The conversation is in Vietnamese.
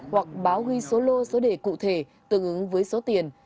hoặc báo ghi số lô số đề cụ thể tương ứng với số tiền